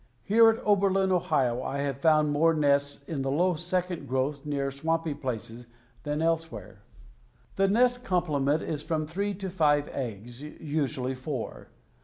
Here at Oberlin, Ohio, I have found more nests in the low second growth near swampy places than elsewhere. The nest complement is from three to five eggs, usually four.